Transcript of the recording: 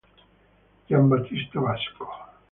Giambattista Vasco